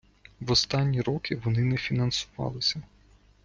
В останні роки вони не фінансувалися.